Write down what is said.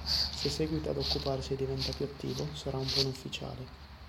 Se seguita ad occuparsi e diventa più attivo, sarà un buon ufficiale".